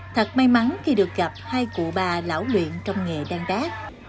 thật may mắn khi được gặp hai cụ bà lão luyện trong nghề đăng đác